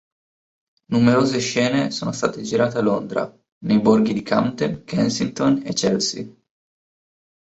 Numerose scene sono state girate a Londra, nei borghi di Camden, Kensington e Chelsea.